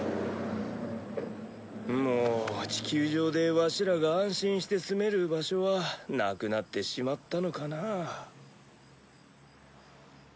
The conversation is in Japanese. もう地球上でワシらが安心して住める場所はなくなってしまったのかな。